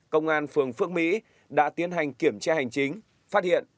công an phường phước mỹ đã tiến hành kiểm tra hành chính phát hiện